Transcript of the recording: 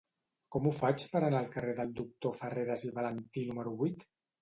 Com ho faig per anar al carrer del Doctor Farreras i Valentí número vuit?